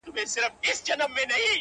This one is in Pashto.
رپا د سونډو دي زما قبر ته جنډۍ جوړه كړه,